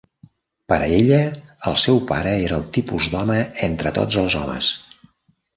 Per a ella, el seu pare era el tipus d'home entre tots els homes.